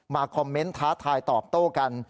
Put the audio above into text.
คอมเมนต์ท้าทายตอบโต้กัน